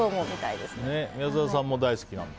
宮澤さんも大好きなの？